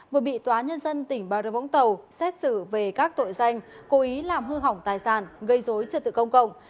vừa bị tòa nhân dân tỉnh bà rập vũng tàu xét xử về các tội danh cố ý làm hư hỏng tài sản gây dối trật tự công cộng